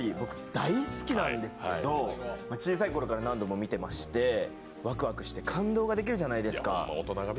大好きなんですけど小さいころから何度も見てまして感動ができるじゃないですか。